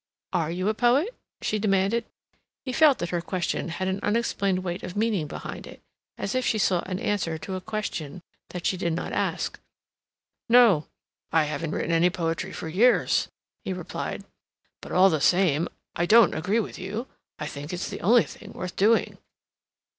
"Are you a poet?" she demanded. He felt that her question had an unexplained weight of meaning behind it, as if she sought an answer to a question that she did not ask. "No. I haven't written any poetry for years," he replied. "But all the same, I don't agree with you. I think it's the only thing worth doing."